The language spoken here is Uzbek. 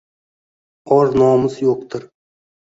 Or-nomus yoʻqdir